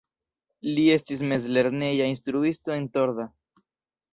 Li estis mezlerneja instruisto en Torda.